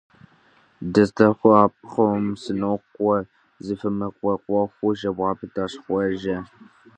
- ДыздэвгъэӀэпхъуэм сынокӀуэ, - зыфӀимыгъэӀуэхуу жэуап итащ Хъуэжэ.